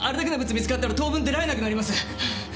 見つかったら当分出られなくなります。